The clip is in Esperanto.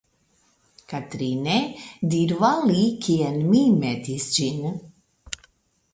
Katrine, diru al li kien mi metis ĝin.